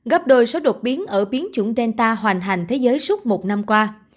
gấp đôi số đột biến ở biến chủng delta hoàn thành thế giới suốt một năm qua